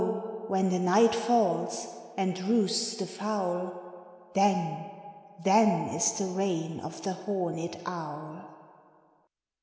0, when the night falls, and roosts the fowl, Then, then, is the reign of the horned owl!